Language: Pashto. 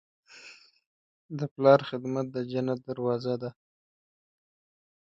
د پلار خدمت د جنت دروازه ده.